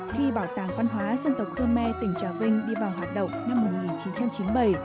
khi bảo tàng văn hóa dân tộc khơ me tỉnh trà vinh đi vào hoạt động năm một nghìn chín trăm chín mươi bảy